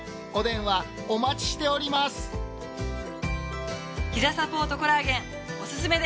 お電話お待ちしております。